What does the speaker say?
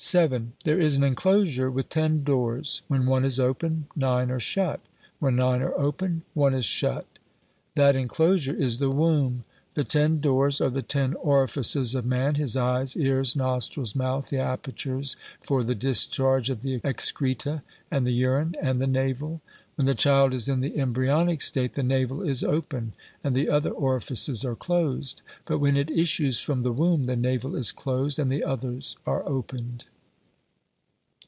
"There is an enclosure with ten doors, when one is open, nine are shut; when nine are open, one is shut?" "That enclosure is the womb; the ten doors are the ten orifices of man his eyes, ears, nostrils, mouth, the apertures for the discharge of the excreta and the urine, and the navel; when the child is in the embryonic state, the navel is open and the other orifices are closed, but when it issues from the womb, the navel is closed and the others are opened."